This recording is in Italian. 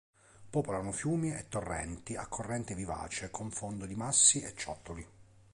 Popolano fiumi e torrenti a corrente vivace con fondo di massi e ciottoli.